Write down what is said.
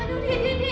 aduh ade ya ampun ade